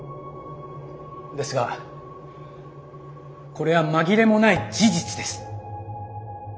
ですがこれは紛れもない事実です。